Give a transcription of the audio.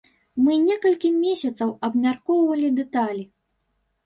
Мы некалькі месяцаў абмяркоўвалі дэталі.